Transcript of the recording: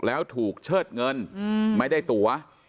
แล้วถูกเชิดเงินไม่ได้ตัว